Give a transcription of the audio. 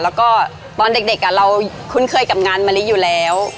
แล้วก็ตอนเด็กเราคุ้นเคยกับงานมะลิอยู่แล้ว